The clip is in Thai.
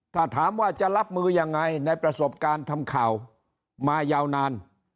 ถ้าถามว่าจะรับมือยังไงในประสบการณ์ทำข่าวมายาวนาน